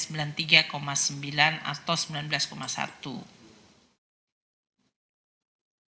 bulan ketiga ini kumulatif rp tiga ratus sembilan puluh tiga sembilan triliun